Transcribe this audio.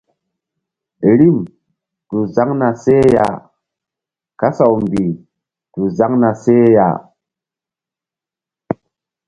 Rim tu zaŋ na seh ya kasaw mbih tu zaŋ na seh ya.